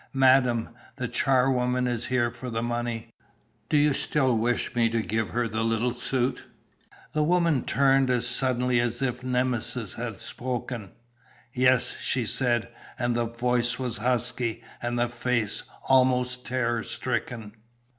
"Madam, the charwoman is here for the money. Do you still wish me to give her the little suit?" The woman turned as suddenly as if Nemesis had spoken. "Yes!" she said, and the voice was husky, and the face almost terror stricken.